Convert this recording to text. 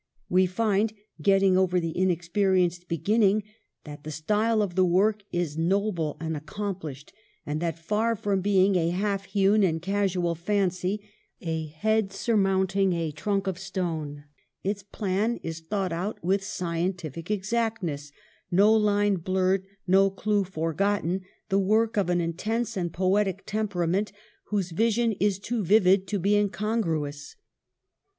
We find, getting over the inexperi enced beginning, that the style of the work is noble and accomplished, and that — far from being a half hewn and casual fancy, a head sur mounting a trunk of stone — its plan is thought out with scientific exactness, no line blurred, no clue forgotten, the work of an intense and poetic temperament whose vision is too vivid to be incongruous.